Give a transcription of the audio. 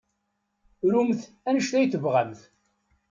Rumt anect ay tebɣamt.